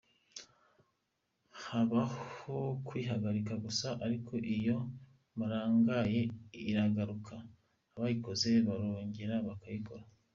Habaho kuyihagarika gusa ariko iyo murangaye iragaruka, abayikoze barongera bakayikora.